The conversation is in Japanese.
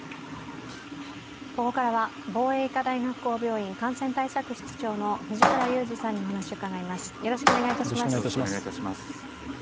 ここからは防衛医科大学校病院感染対策室長の藤倉雄二さんにお話を伺います。